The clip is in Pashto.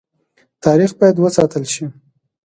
تاریخ باید وساتل شي